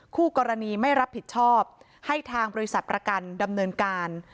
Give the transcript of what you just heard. คู่กรณีไม่รับผิดชอบให้ทางบริษัทประกันดำเนินการ